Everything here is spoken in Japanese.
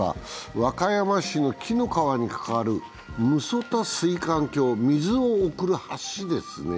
和歌山市の紀の川にかかる六十谷水管橋、水を送る橋ですね。